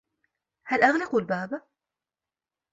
هل أغلق الباب.